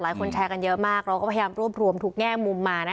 หลายคนแชร์กันเยอะมากเราก็พยายามรวบรวมทุกแง่มุมมา